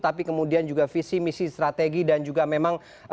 tapi kemudian juga visi misi strategi dan juga memang